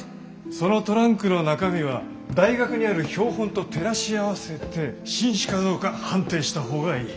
そのトランクの中身は大学にある標本と照らし合わせて新種かどうか判定した方がいい。